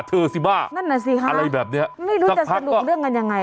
เธอสิบ้าอะไรแบบเนี้ยไม่รู้จะสนุกเรื่องกันยังไง